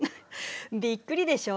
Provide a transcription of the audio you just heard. びっくりでしょ。